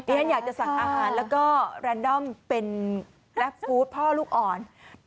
อีอันอยากจะสั่งอาหารแล้วก็แบบแบบเป็นพ่อลูกอ่อน